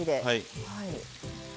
はい。